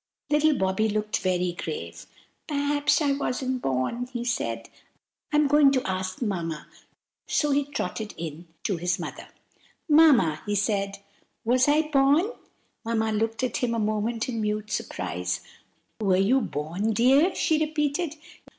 Little Bobby looked very grave. "Perhaps I wasn't born!" he said. "I's going to ask Mamma." So he trotted in to his mother. "Mamma," he said, "was I born?" Mamma looked at him a moment in mute surprise. "Were you born, dear?" she repeated.